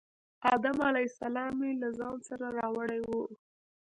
آدم علیه السلام له ځان سره راوړی و.